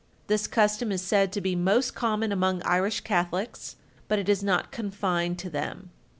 This custom is said to be most common among Irish Catholics, but it is not confined to them.